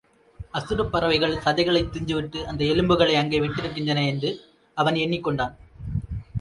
அசுரப் பறவைகள் சதைகளைத் தின்றுவிட்டு அந்த எலும்புகளை அங்கே விட்டிருக்கின்றன என்று அவன் எண்ணிக் கொண்டான்.